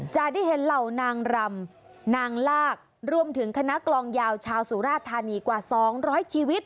จะได้เห็นเหล่านางรำนางลากรวมถึงคณะกลองยาวชาวสุราธานีกว่า๒๐๐ชีวิต